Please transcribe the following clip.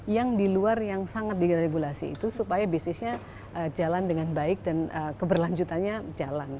yang di luar yang sangat diregulasi itu supaya bisnisnya jalan dengan baik dan keberlanjutannya jalan